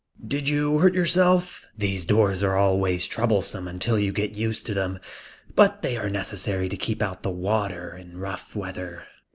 "Did you hurt yourself? These doors are always troublesome until you get used to them. But they are necessary to keep out the water in rough weather."